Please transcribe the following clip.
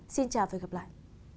xin chào và hẹn gặp lại